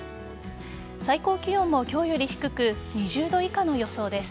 最高気温も今日より低く２０度以下の予想です。